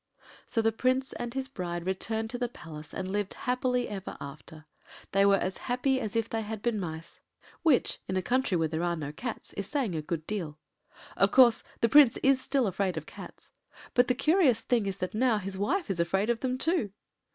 ” So the Prince and his bride returned to the palace and lived happy ever after. They were as happy as if they had been mice—which, in a country where there are no cats, is saying a good deal. Of course the Prince is still afraid of cats. But the curious thing is that now his wife is afraid of them too.